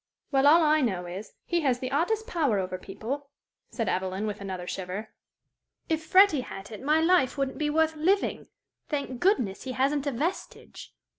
"Well, all I know is, he has the oddest power over people," said Evelyn, with another shiver. "If Freddie had it, my life wouldn't be worth living. Thank goodness, he hasn't a vestige!"